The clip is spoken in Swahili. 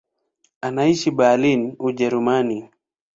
Anaishi Berlin, Ujerumani.